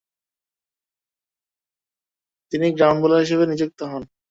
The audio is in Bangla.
তিনি গ্রাউন্ড বোলার হিসেবে নিযুক্ত হন।